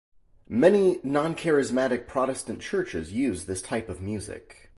Many non-charismatic Protestant churches use this type of music.